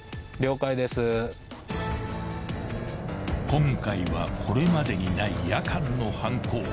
［今回はこれまでにない夜間の犯行］